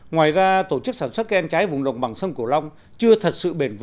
ngoài ra tổ chức sản xuất